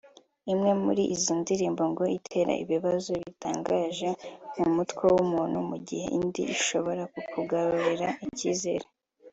Imwe muri izi ndirimbo ngo itera ibibazo bitangaje mu mutwe w’umuntu mu gihe indi ishobora kukugarurira ikizere